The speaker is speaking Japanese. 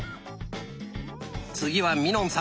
次はみのんさん。